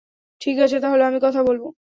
ঠিক আছে তাহলে, আমি কথা বলবো।